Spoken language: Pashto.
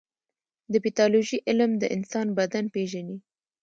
د پیتالوژي علم د انسان بدن پېژني.